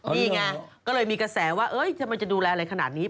นี่ไงก็เลยมีกระแสว่าทำไมจะดูแลอะไรขนาดนี้